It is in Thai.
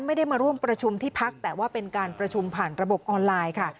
ไม่ได้มาร่วมประชุมที่พักแต่ว่าเป็นการประชุมผ่านระบบออนไลน์ค่ะ